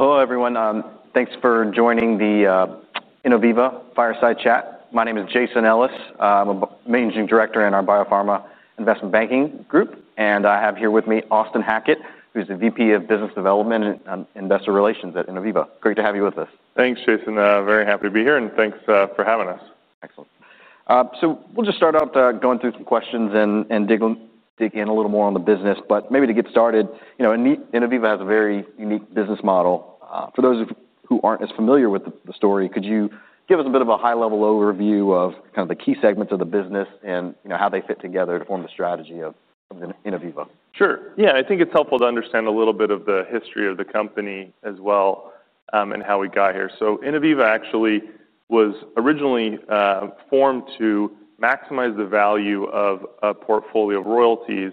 Hello everyone. Thanks for joining the Innoviva fireside chat. My name is Jason Ellis. I'm a Managing Director in our Biopharma Investment Banking Group, and I have here with me Austin Hackett, who is the VP of Business Development and Investor Relations at Innoviva. Great to have you with us. Thanks, Jason. Very happy to be here, and thanks for having us. Excellent. We'll just start off by going through some questions and digging a little more on the business. Maybe to get started, Innoviva has a very unique business model. For those who aren't as familiar with the story, could you give us a bit of a high-level overview of the key segments of the business and how they fit together to form the strategy of Innoviva? Sure. I think it's helpful to understand a little bit of the history of the company as well and how we got here. Innoviva actually was originally formed to maximize the value of a portfolio of royalties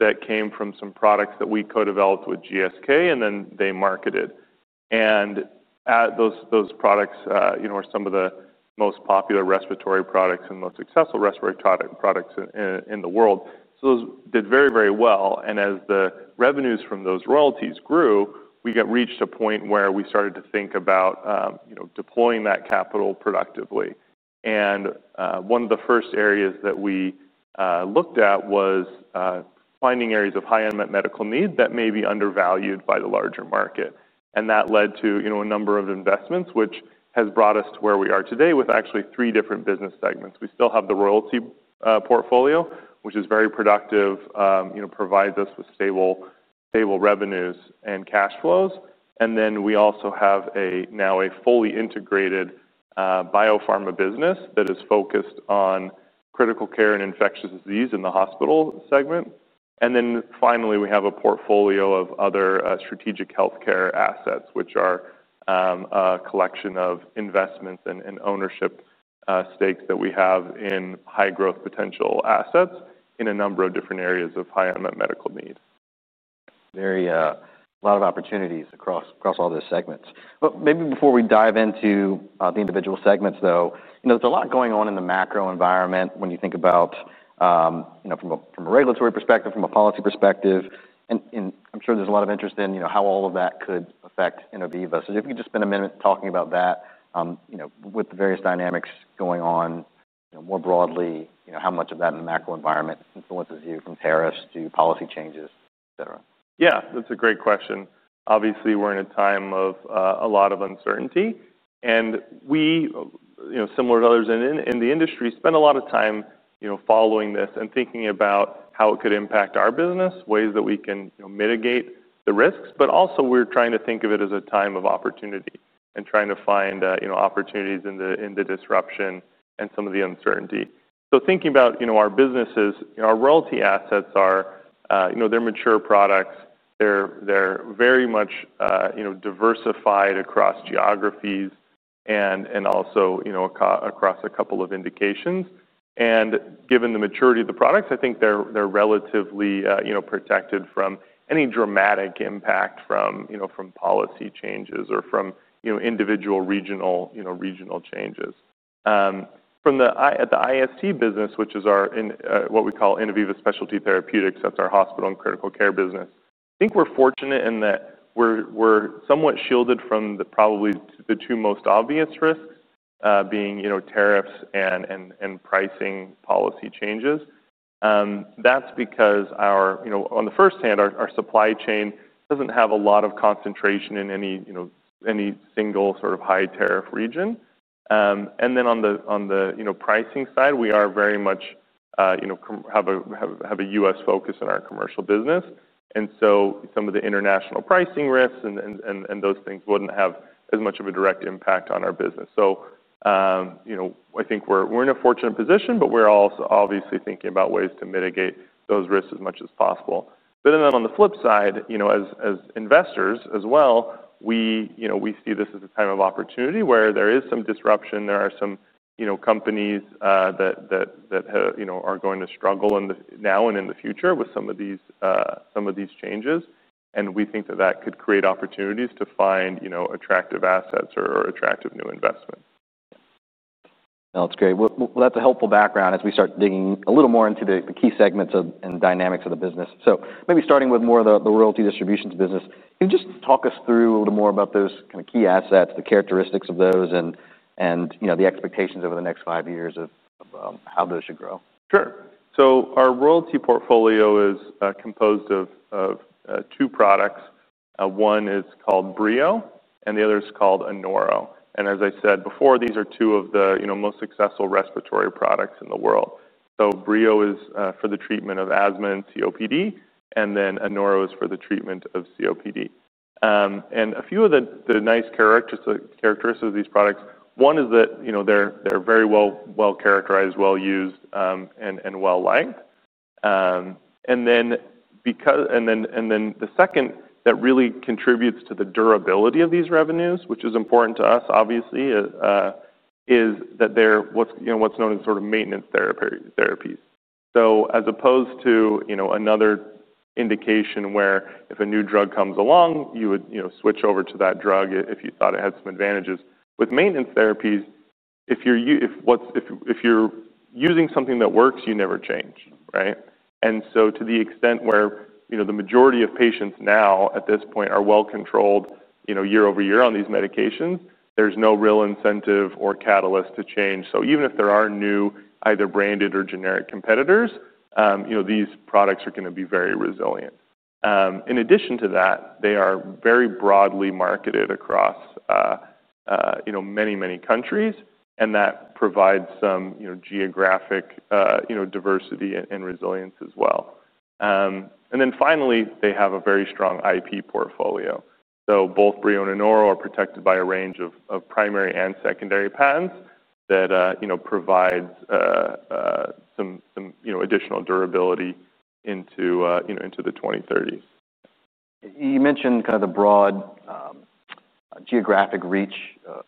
that came from some products that we co-developed with GSK, and then they marketed. Those products are some of the most popular respiratory products and most successful respiratory products in the world. Those did very, very well. As the revenues from those royalties grew, we reached a point where we started to think about deploying that capital productively. One of the first areas that we looked at was finding areas of high unmet medical need that may be undervalued by the larger market. That led to a number of investments, which has brought us to where we are today with actually three different business segments. We still have the royalty portfolio, which is very productive and provides us with stable revenues and cash flows. We also have now a fully integrated biopharma business that is focused on critical care and infectious disease in the hospital segment. Finally, we have a portfolio of other strategic healthcare assets, which are a collection of investments and ownership stakes that we have in high growth potential assets in a number of different areas of high unmet medical needs. are a lot of opportunities across all those segments. Maybe before we dive into the individual segments, though, there's a lot going on in the macro environment when you think about it from a regulatory perspective and from a policy perspective. I'm sure there's a lot of interest in how all of that could affect Innoviva. If you could just spend a minute talking about that with the various dynamics going on more broadly, how much of that in the macro environment influences you from tariffs to policy changes, etc. Yeah, that's a great question. Obviously, we're in a time of a lot of uncertainty. We, similar to others in the industry, spend a lot of time following this and thinking about how it could impact our business, ways that we can mitigate the risks. We're trying to think of it as a time of opportunity and trying to find opportunities in the disruption and some of the uncertainty. Thinking about our businesses, our royalty assets, they're mature products. They're very much diversified across geographies and also across a couple of indications. Given the maturity of the products, I think they're relatively protected from any dramatic impact from policy changes or from individual regional changes. From the IST business, which is what we call Innoviva Specialty Therapeutics, that's our hospital and critical care business, I think we're fortunate in that we're somewhat shielded from probably the two most obvious risks, being tariffs and pricing policy changes. That's because on the first hand, our supply chain doesn't have a lot of concentration in any single sort of high tariff region. On the pricing side, we very much have a U.S. focus in our commercial business, so some of the international pricing risks and those things wouldn't have as much of a direct impact on our business. I think we're in a fortunate position, but we're also obviously thinking about ways to mitigate those risks as much as possible. On the flip side, as investors as well, we see this as a time of opportunity where there is some disruption. There are some companies that are going to struggle now and in the future with some of these changes. We think that that could create opportunities to find attractive assets or attractive new investments. That's great. That's a helpful background as we start digging a little more into the key segments and dynamics of the business. Maybe starting with more of the royalty distributions business, can you just talk us through a little more about those kind of key assets, the characteristics of those, and the expectations over the next five years of how those should grow? Sure. Our royalty portfolio is composed of two products. One is called BREO and the other is called ANORO. As I said before, these are two of the most successful respiratory products in the world. BREO is for the treatment of asthma and COPD, and ANORO is for the treatment of COPD. A few of the nice characteristics of these products, one is that they're very well characterized, well used, and well liked. The second that really contributes to the durability of these revenues, which is important to us, obviously, is that they're what's known as sort of maintenance therapies. As opposed to another indication where if a new drug comes along, you would switch over to that drug if you thought it had some advantages. With maintenance therapies, if you're using something that works, you never change, right? To the extent where the majority of patients now at this point are well controlled year over year on these medications, there's no real incentive or catalyst to change. Even if there are new either branded or generic competitors, these products are going to be very resilient. In addition to that, they are very broadly marketed across many, many countries, and that provides some geographic diversity and resilience as well. Finally, they have a very strong IP portfolio. Both BREO and ANORO are protected by a range of primary and secondary patents that provide some additional durability into the 2030s. You mentioned kind of the broad geographic reach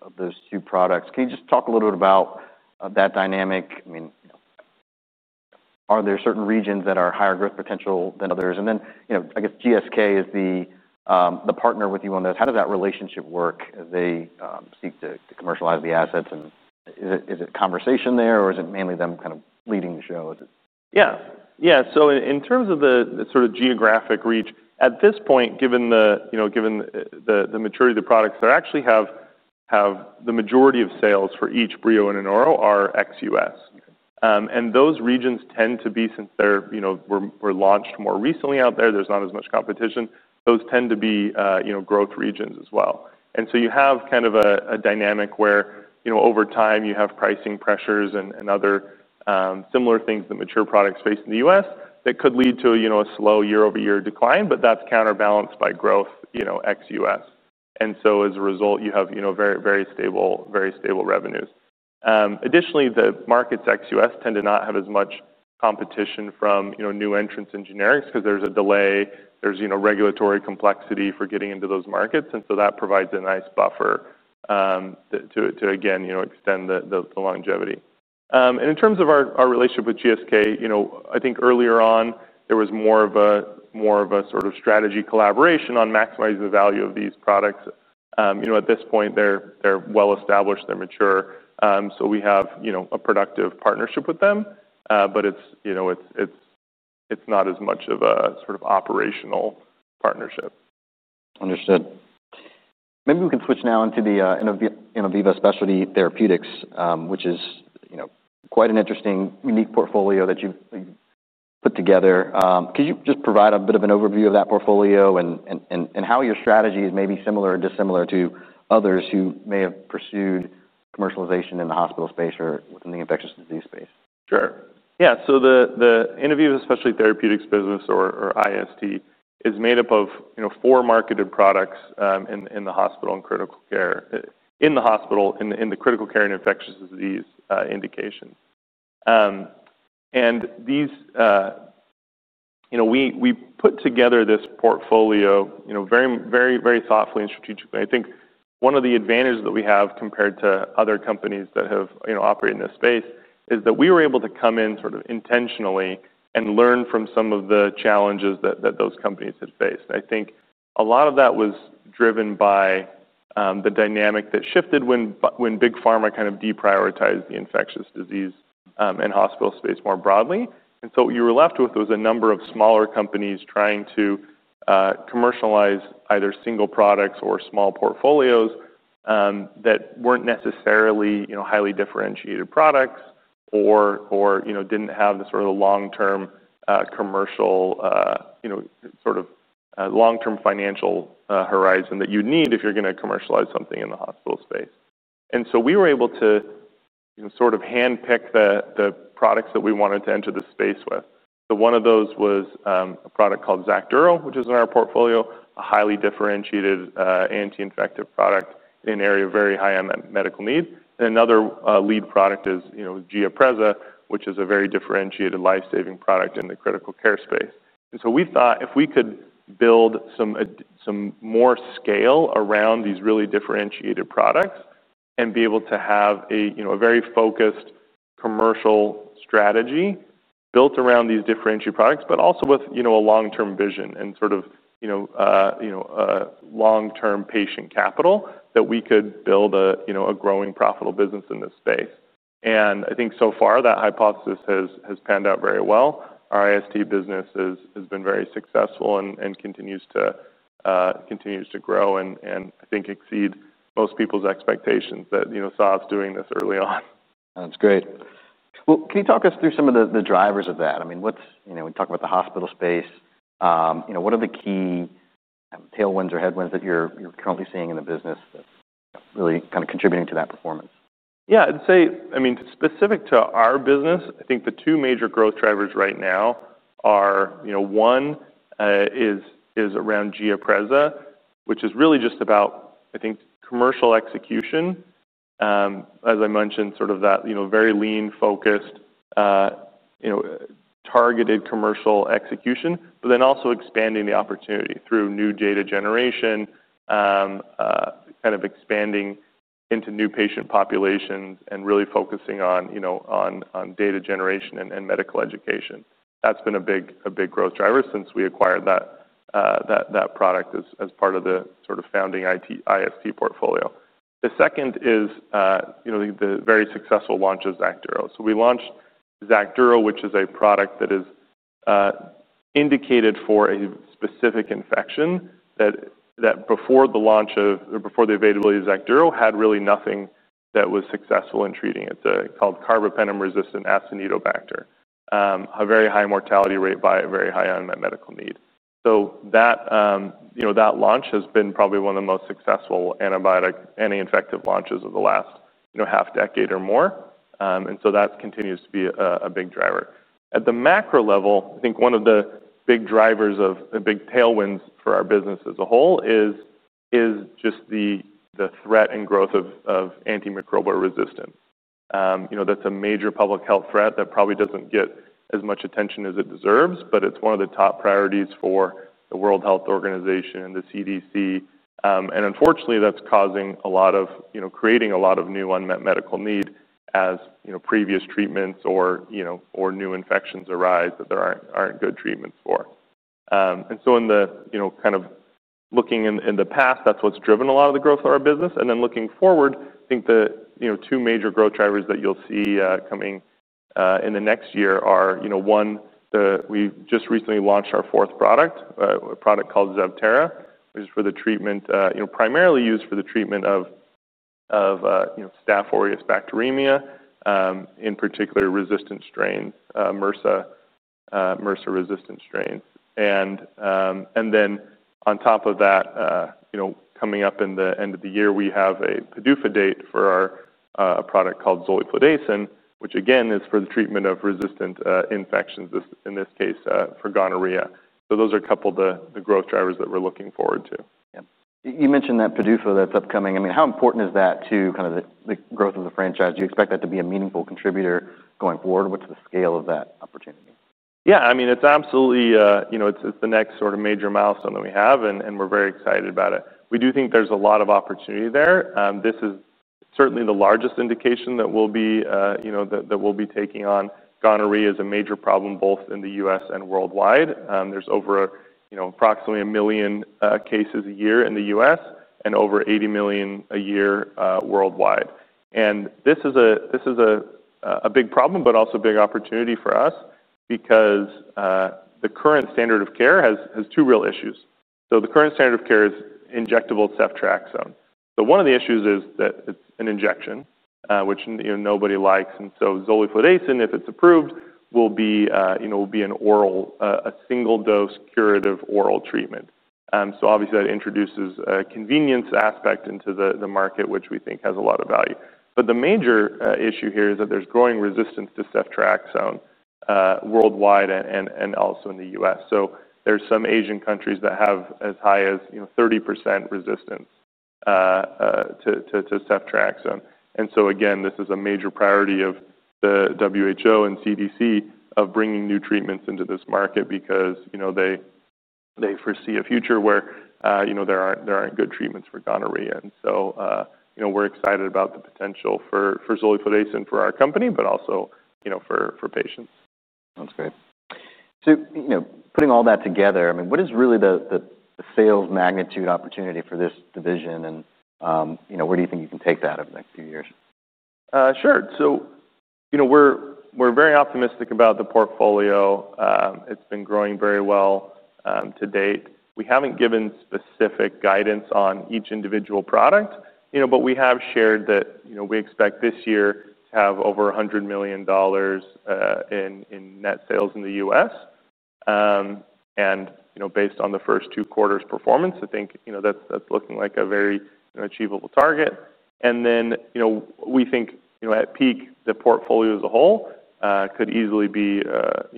of those two products. Can you just talk a little bit about that dynamic? Are there certain regions that are higher growth potential than others? I guess GSK is the partner with you on this. How does that relationship work as they seek to commercialize the assets? Is it a conversation there, or is it mainly them kind of leading the show? Yes. In terms of the sort of geographic reach, at this point, given the maturity of the products, they actually have the majority of sales for each BREO and ANORO are ex-U.S. Those regions tend to be, since they were launched more recently out there, there's not as much competition. Those tend to be growth regions as well. You have kind of a dynamic where over time you have pricing pressures and other similar things that mature products face in the U.S. that could lead to a slow year-over-year decline, but that's counterbalanced by growth ex-U.S. As a result, you have very stable revenues. Additionally, the markets ex-U.S. tend to not have as much competition from new entrants in generics because there's a delay, there's regulatory complexity for getting into those markets. That provides a nice buffer to, again, extend the longevity. In terms of our relationship with GSK, I think earlier on there was more of a sort of strategy collaboration on maximizing the value of these products. At this point, they're well established, they're mature. We have a productive partnership with them, but it's not as much of a sort of operational partnership. Understood. Maybe we can switch now into the Innoviva Specialty Therapeutics, which is quite an interesting, unique portfolio that you've put together. Could you just provide a bit of an overview of that portfolio and how your strategy is maybe similar or dissimilar to others who may have pursued commercialization in the hospital space or within the infectious disease space? Sure. Yeah. The Innoviva Specialty Therapeutics business, or IST, is made up of four marketed products in the hospital, in the critical care and infectious disease indication. We put together this portfolio very, very thoughtfully and strategically. I think one of the advantages that we have compared to other companies that have operated in this space is that we were able to come in sort of intentionally and learn from some of the challenges that those companies had faced. I think a lot of that was driven by the dynamic that shifted when big pharma kind of deprioritized the infectious disease and hospital space more broadly. What you were left with was a number of smaller companies trying to commercialize either single products or small portfolios that weren't necessarily highly differentiated products or didn't have the sort of long-term financial horizon that you'd need if you're going to commercialize something in the hospital space. We were able to sort of handpick the products that we wanted to enter the space with. One of those was a product called ZEVTERA, which is in our portfolio, a highly differentiated anti-infective product in an area of very high unmet medical need. Another lead product is GIAPREZA, which is a very differentiated lifesaving product in the critical care space. We thought if we could build some more scale around these really differentiated products and be able to have a very focused commercial strategy built around these differentiated products, but also with a long-term vision and sort of long-term patient capital, we could build a growing profitable business in this space. I think so far that hypothesis has panned out very well. Our IST business has been very successful and continues to grow and I think exceed most people's expectations that saw us doing this early on. That's great. Can you talk us through some of the drivers of that? I mean, we talk about the hospital space. What are the key tailwinds or headwinds that you're currently seeing in the business that's really kind of contributing to that performance? Yeah, I'd say, I mean, specific to our business, I think the two major growth drivers right now are, one, is around GIAPREZA, which is really just about, I think, commercial execution. As I mentioned, that very lean, focused, targeted commercial execution, but also expanding the opportunity through new data generation, kind of expanding into new patient populations and really focusing on data generation and medical education. That's been a big growth driver since we acquired that product as part of the founding IST portfolio. The second is the very successful launch of XACDURO. We launched XACDURO, which is a product that is indicated for a specific infection that before the launch of, or before the availability of XACDURO, had really nothing that was successful in treating it, called carbapenem-resistant Acinetobacter, a very high mortality rate by a very high unmet medical need. That launch has been probably one of the most successful antibiotic anti-infective launches of the last half decade or more. That continues to be a big driver. At the macro level, I think one of the big drivers or big tailwinds for our business as a whole is just the threat and growth of antimicrobial resistance. That's a major public health threat that probably doesn't get as much attention as it deserves. It's one of the top priorities for the World Health Organization and the CDC. Unfortunately, that's creating a lot of new unmet medical need as previous treatments or new infections arise that there aren't good treatments for. In looking in the past, that's what's driven a lot of the growth of our business. Looking forward, I think the two major growth drivers that you'll see coming in the next year are, one, we just recently launched our fourth product, a product called ZEVTERA, which is primarily used for the treatment of Staph aureus bacteremia, in particular, resistant strain, MRSA resistant strains. On top of that, coming up at the end of the year, we have an FDA PDUFA decision for our product called zoliflodacin, which again is for the treatment of resistant infections, in this case for gonorrhea. Those are a couple of the growth drivers that we're looking forward to. Yeah. You mentioned that FDA PDUFA decision that's upcoming. I mean, how important is that to kind of the growth of the franchise? Do you expect that to be a meaningful contributor going forward? What's the scale of that opportunity? Yeah, I mean, it's absolutely, it's the next sort of major milestone that we have, and we're very excited about it. We do think there's a lot of opportunity there. This is certainly the largest indication that we'll be taking on. Gonorrhea is a major problem both in the U.S. and worldwide. There's over approximately 1 million cases a year in the U.S. and over 80 million a year worldwide. This is a big problem, but also a big opportunity for us because the current standard of care has two real issues. The current standard of care is injectable ceftriaxone. One of the issues is that it's an injection, which nobody likes. Zoliflodacin, if it's approved, will be a single dose curative oral treatment. Obviously, that introduces a convenience aspect into the market, which we think has a lot of value. The major issue here is that there's growing resistance to ceftriaxone worldwide and also in the U.S. There are some Asian countries that have as high as 30% resistance to ceftriaxone. This is a major priority of the WHO and CDC of bringing new treatments into this market because they foresee a future where there aren't good treatments for gonorrhea. We're excited about the potential for zoliflodacin for our company, but also for patients. That's great. Putting all that together, I mean, what is really the sales magnitude opportunity for this division, and where do you think you can take that over the next few years? Sure. We are very optimistic about the portfolio. It's been growing very well to date. We haven't given specific guidance on each individual product, but we have shared that we expect this year to have over $100 million in net sales in the U.S. Based on the first two quarters' performance, I think that's looking like a very achievable target. We think at peak, the portfolio as a whole could easily be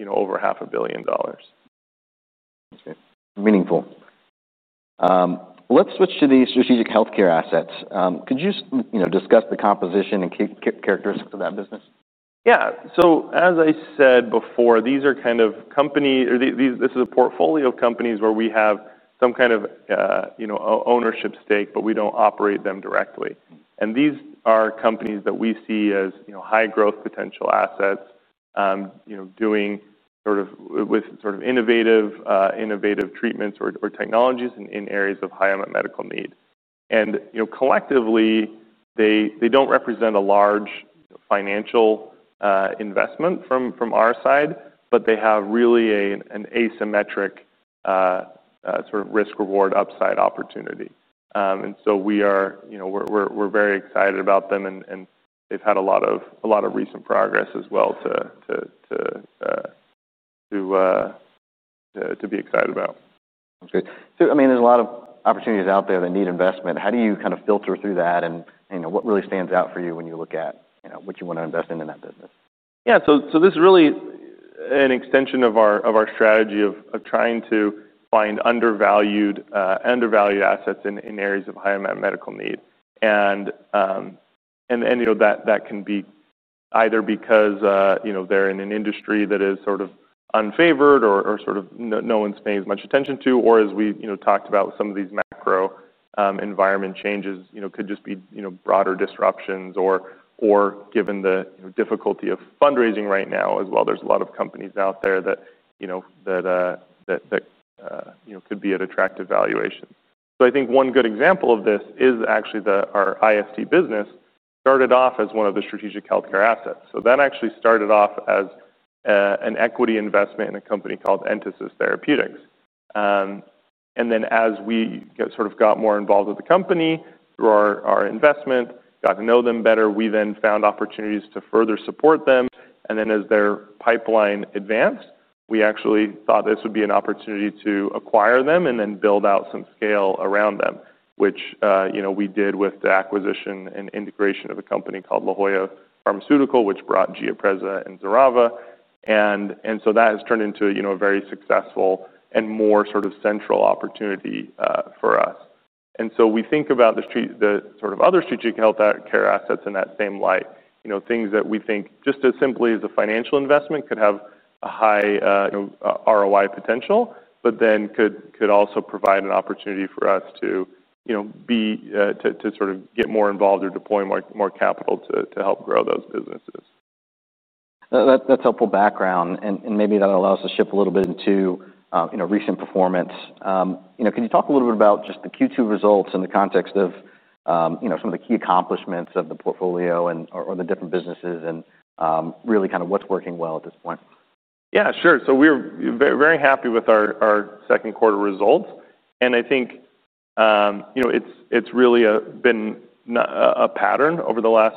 over half a billion dollars. That's meaningful. Let's switch to the strategic healthcare assets. Could you discuss the composition and characteristics of that business? Yeah. As I said before, this is a portfolio of companies where we have some kind of ownership stake, but we don't operate them directly. These are companies that we see as high growth potential assets with innovative treatments or technologies in areas of high unmet medical need. Collectively, they don't represent a large financial investment from our side, but they have really an asymmetric risk-reward upside opportunity. We're very excited about them, and they've had a lot of recent progress as well to be excited about. Okay. There’s a lot of opportunities out there that need investment. How do you kind of filter through that, and what really stands out for you when you look at what you want to invest in in that business? Yeah. This is really an extension of our strategy of trying to find undervalued assets in areas of high unmet medical need. That can be either because they're in an industry that is sort of unfavored or sort of no one's paying as much attention to, or as we talked about with some of these macro environment changes, could just be broader disruptions or given the difficulty of fundraising right now as well. There's a lot of companies out there that could be at attractive valuation. I think one good example of this is actually our IST business started off as one of the strategic healthcare assets. That actually started off as an equity investment in a company called Entasis Therapeutics. As we sort of got more involved with the company, through our investment, got to know them better, we then found opportunities to further support them. As their pipeline advanced, we actually thought this would be an opportunity to acquire them and then build out some scale around them, which we did with the acquisition and integration of a company called La Jolla Pharmaceutical Company, which brought GIAPREZA and XERAVA. That has turned into a very successful and more sort of central opportunity for us. We think about the sort of other strategic healthcare assets in that same light, things that we think just as simply as a financial investment could have a high ROI potential, but then could also provide an opportunity for us to sort of get more involved or deploy more capital to help grow those businesses. That's helpful background. Maybe that allows us to shift a little bit into recent performance. Can you talk a little bit about just the Q2 results in the context of some of the key accomplishments of the portfolio or the different businesses and really kind of what's working well at this point? Yeah, sure. We're very happy with our second quarter results. I think it's really been a pattern over the last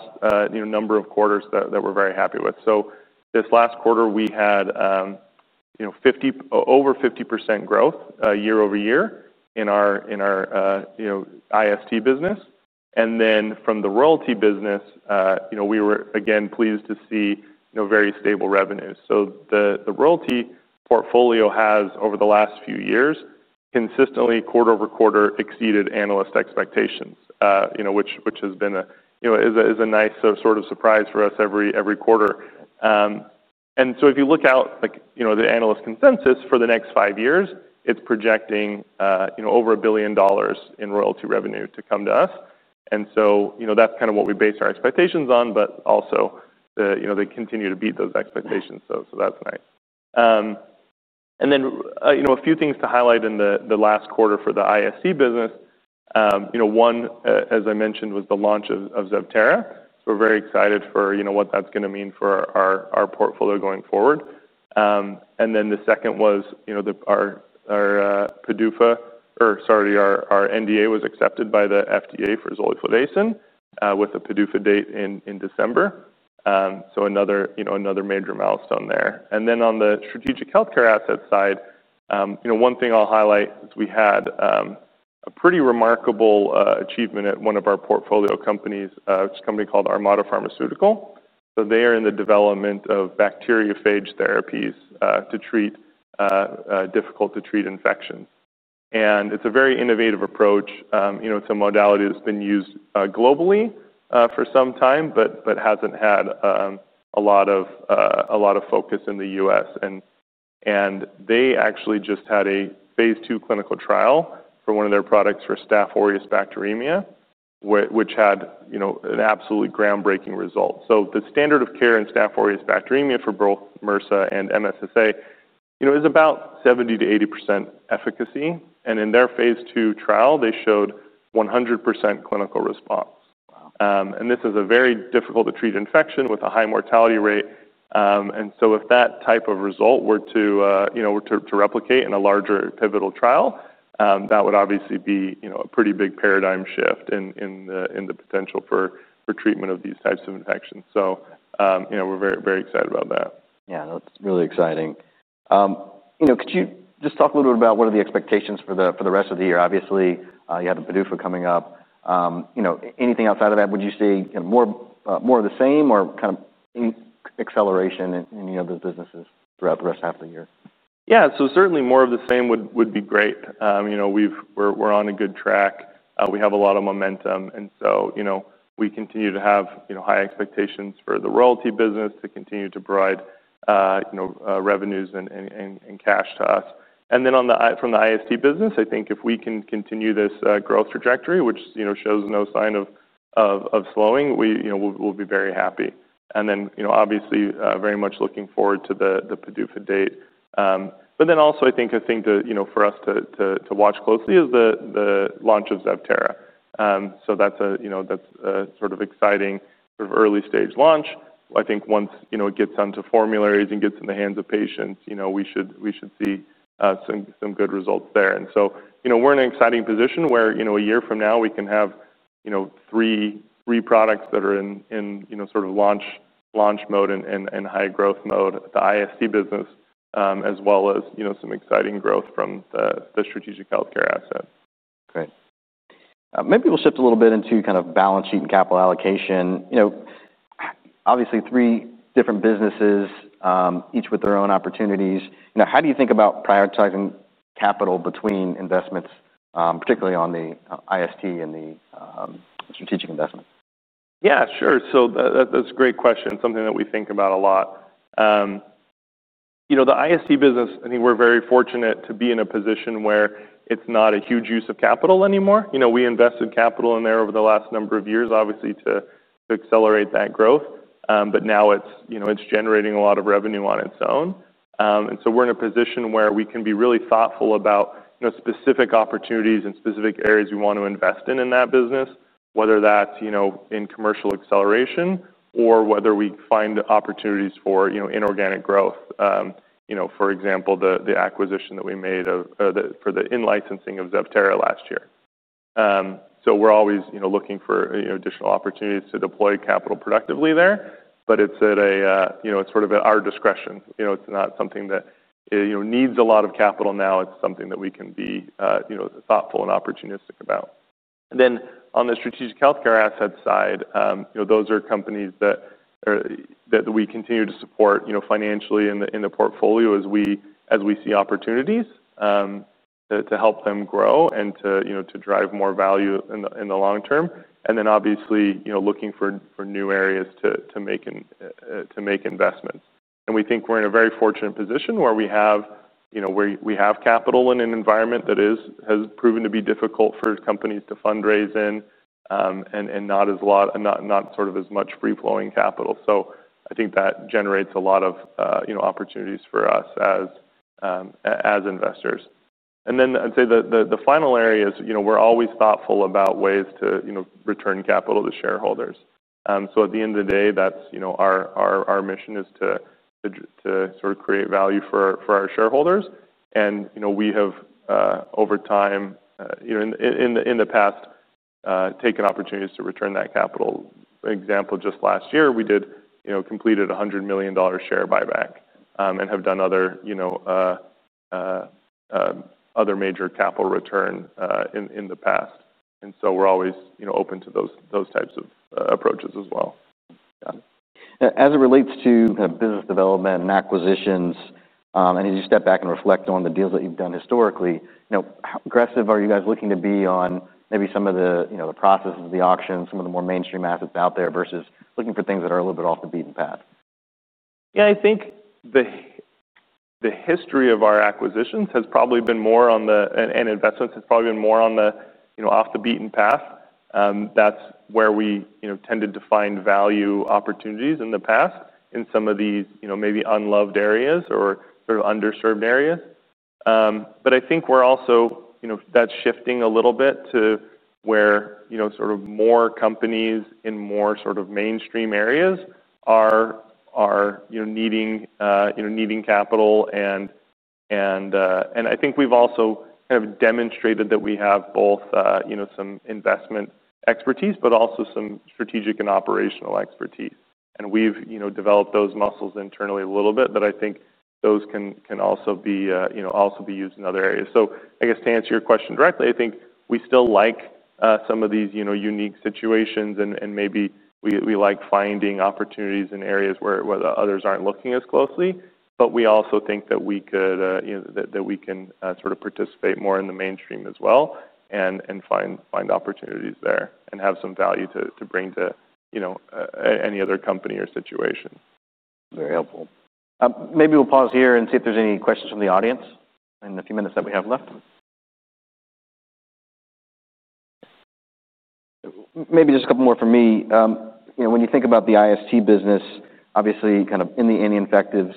number of quarters that we're very happy with. This last quarter, we had over 50% growth year- over- year in our IST business. From the royalty business, we were again pleased to see very stable revenues. The royalty portfolio has over the last few years consistently quarter- over- quarter exceeded analyst expectations, which has been a nice sort of surprise for us every quarter. If you look out, the analyst consensus for the next five years is projecting over $1 billion in royalty revenue to come to us. That's kind of what we based our expectations on, but also they continue to beat those expectations. That's nice. A few things to highlight in the last quarter for the IST business. One, as I mentioned, was the launch of ZEVTERA. We're very excited for what that's going to mean for our portfolio going forward. The second was our NDA was accepted by the FDA for zoliflodacin with a PDUFA date in December. Another major milestone there. On the strategic healthcare asset side, one thing I'll highlight is we had a pretty remarkable achievement at one of our portfolio companies, which is a company called Armata Pharmaceutical. They are in the development of bacteriophage therapies to treat difficult-to-treat infections. It's a very innovative approach. It's a modality that's been used globally for some time, but hasn't had a lot of focus in the U.S. They actually just had a phase II clinical trial for one of their products for Staph aureus bacteremia, which had an absolutely groundbreaking result. The standard of care in Staph aureus bacteremia for both MRSA and MSSA is about 70%- 80% efficacy. In their phase II trial, they showed 100% clinical response. This is a very difficult-to-treat infection with a high mortality rate. If that type of result were to replicate in a larger pivotal trial, that would obviously be a pretty big paradigm shift in the potential for treatment of these types of infections. We're very excited about that. Yeah, that's really exciting. Could you just talk a little bit about what are the expectations for the rest of the year? Obviously, you have a FDA PDUFA decision coming up. Anything outside of that? Would you say more of the same or kind of any acceleration in those businesses throughout the rest of the year? Yeah, so certainly more of the same would be great. We're on a good track. We have a lot of momentum, so we continue to have high expectations for the royalty business to continue to provide revenues and cash to us. From the IST business, I think if we can continue this growth trajectory, which shows no sign of slowing, we'll be very happy. Obviously, very much looking forward to the FDA PDUFA decision. Also, I think a thing for us to watch closely is the launch of ZEVTERA. That's a sort of exciting early stage launch. I think once it gets onto formularies and gets in the hands of patients, we should see some good results there. We're in an exciting position where a year from now we can have three products that are in sort of launch mode and high growth mode at the IST business, as well as some exciting growth from the strategic healthcare assets. Great. Maybe we'll shift a little bit into kind of balance sheet and capital allocation. Obviously, three different businesses, each with their own opportunities. How do you think about prioritizing capital between investments, particularly on the IST and the strategic investments? Yeah, sure. That's a great question, something that we think about a lot. The IST business, I think we're very fortunate to be in a position where it's not a huge use of capital anymore. We invested capital in there over the last number of years, obviously to accelerate that growth. Now it's generating a lot of revenue on its own, so we're in a position where we can be really thoughtful about specific opportunities and specific areas we want to invest in in that business, whether that's in commercial acceleration or whether we find opportunities for inorganic growth. For example, the acquisition that we made for the in-licensing of ZEVTERA last year. We're always looking for additional opportunities to deploy capital productively there, but it's sort of at our discretion. It's not something that needs a lot of capital now. It's something that we can be thoughtful and opportunistic about. On the strategic healthcare asset side, those are companies that we continue to support financially in the portfolio as we see opportunities to help them grow and to drive more value in the long term. Obviously, looking for new areas to make investments, and we think we're in a very fortunate position where we have capital in an environment that has proven to be difficult for companies to fundraise in and not as much free-flowing capital. I think that generates a lot of opportunities for us as investors. I'd say the final area is we're always thoughtful about ways to return capital to shareholders. At the end of the day, our mission is to sort of create value for our shareholders. We have, over time, in the past, taken opportunities to return that capital. Example, just last year, we completed a $100 million share buyback and have done other major capital returns in the past. We're always open to those types of approaches as well. Got it. As it relates to kind of business development and acquisitions, as you step back and reflect on the deals that you've done historically, how aggressive are you guys looking to be on maybe some of the processes of the auctions, some of the more mainstream assets out there versus looking for things that are a little bit off the beaten path? Yeah, I think the history of our acquisitions has probably been more on the, and investments have probably been more on the off the beaten path. That's where we tended to find value opportunities in the past in some of these maybe unloved areas or sort of underserved areas. I think we're also, that's shifting a little bit to where sort of more companies in more sort of mainstream areas are needing capital. I think we've also kind of demonstrated that we have both some investment expertise, but also some strategic and operational expertise. We've developed those muscles internally a little bit that I think those can also be used in other areas. I guess to answer your question directly, I think we still like some of these unique situations and maybe we like finding opportunities in areas where others aren't looking as closely. We also think that we can sort of participate more in the mainstream as well and find opportunities there and have some value to bring to any other company or situation. Very helpful. Maybe we'll pause here and see if there's any questions from the audience in the few minutes that we have left. Maybe just a couple more from me. When you think about the IST business, obviously kind of in the anti-infective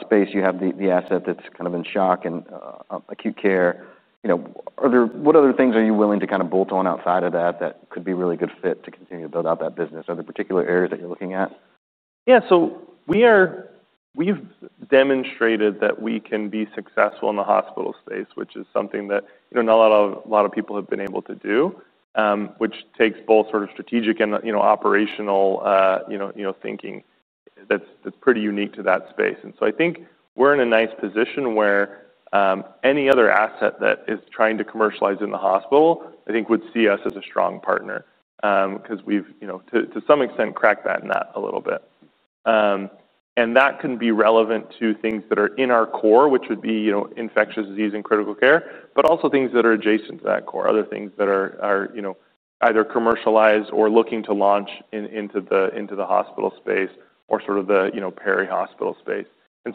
space, you have the asset that's kind of in shock and acute care. What other things are you willing to kind of bolt on outside of that that could be a really good fit to continue to build out that business? Are there particular areas that you're looking at? Yeah, we've demonstrated that we can be successful in the hospital space, which is something that not a lot of people have been able to do. It takes both strategic and operational thinking that's pretty unique to that space. I think we're in a nice position where any other asset that is trying to commercialize in the hospital would see us as a strong partner because we've, to some extent, cracked that nut a little bit. That can be relevant to things that are in our core, which would be infectious disease and critical care, but also things that are adjacent to that core, other things that are either commercialized or looking to launch into the hospital space or the peri-hospital space.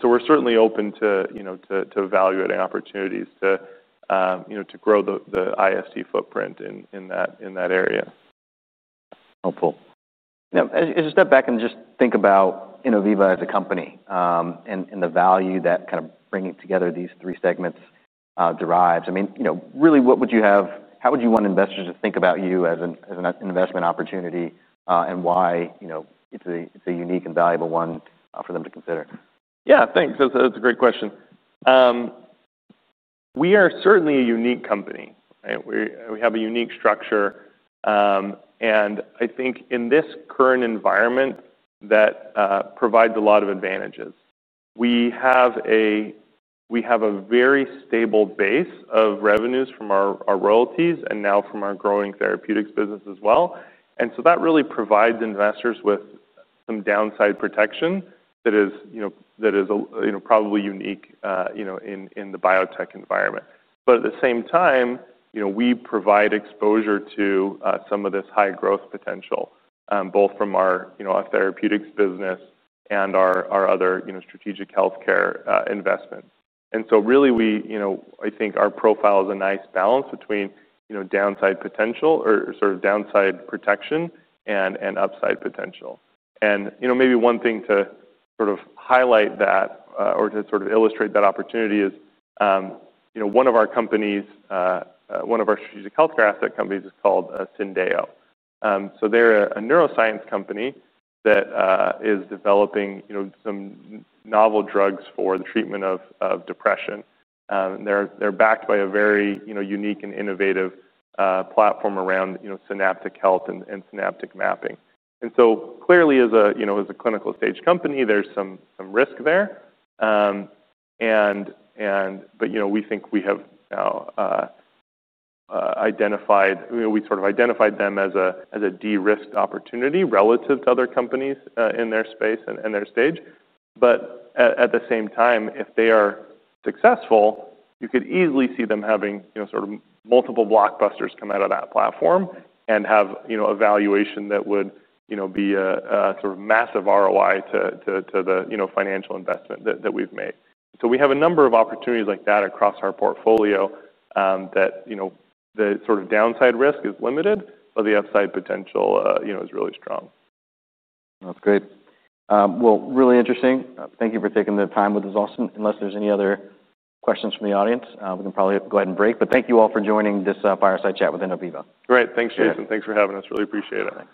We're certainly open to evaluating opportunities to grow the IST footprint in that area. Helpful. Now, as you step back and just think about Innoviva as a company and the value that kind of bringing together these three segments derives, I mean, really what would you have, how would you want investors to think about you as an investment opportunity and why it's a unique and valuable one for them to consider? Yeah, thanks. That's a great question. We are certainly a unique company. We have a unique structure. I think in this current environment, that provides a lot of advantages. We have a very stable base of revenues from our royalties and now from our growing therapeutics business as well. That really provides investors with some downside protection that is probably unique in the biotech environment. At the same time, we provide exposure to some of this high growth potential, both from our therapeutics business and our other strategic healthcare investments. I think our profile is a nice balance between downside protection and upside potential. Maybe one thing to highlight that or to illustrate that opportunity is one of our companies, one of our strategic healthcare asset companies, is called Sentio. They're a neuroscience company that is developing some novel drugs for the treatment of depression. They're backed by a very unique and innovative platform around synaptic health and synaptic mapping. Clearly, as a clinical stage company, there's some risk there. We think we have identified, we sort of identified them as a de-risked opportunity relative to other companies in their space and their stage. At the same time, if they are successful, you could easily see them having sort of multiple blockbusters come out of that platform and have a valuation that would be a massive ROI to the financial investment that we've made. We have a number of opportunities like that across our portfolio that the downside risk is limited, but the upside potential is really strong. That's great. Really interesting. Thank you for taking the time with us, Austin. Unless there's any other questions from the audience, we can probably go ahead and break. Thank you all for joining this fireside chat with Innoviva. Great. Thanks, Jason. Thanks for having us. Really appreciate it.